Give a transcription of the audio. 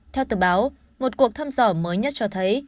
theo tờ báo một cuộc thăm dò mới nhất cho thấy